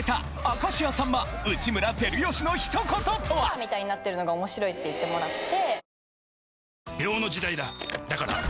スターみたいになってるのが面白いって言ってもらって。